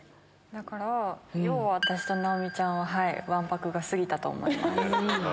だから要は私と直美ちゃんはワンパクが過ぎたと思います。